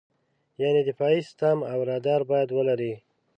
یعنې دفاعي سیستم او رادار باید ولرې.